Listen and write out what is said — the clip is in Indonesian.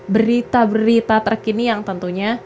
berita berita terkini yang tentunya